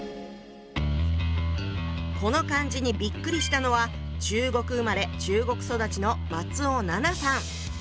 この漢字にびっくりしたのは中国生まれ中国育ちの松尾奈奈さん。